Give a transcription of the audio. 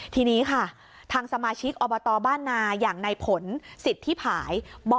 ทีนี้ค่ะทางสมาชิกอบตบ้านนาอย่างในผลสิทธิภาย